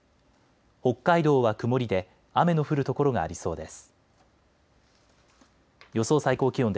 北海道は曇りで雨の降る所がありそうです。